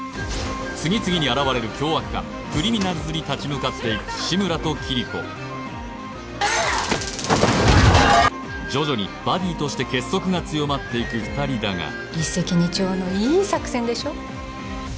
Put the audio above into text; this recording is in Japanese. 次々に現れる凶悪犯クリミナルズに立ち向かっていく志村とキリコ徐々にバディとして結束が強まっていく二人だが一石二鳥のいい作戦でしょ？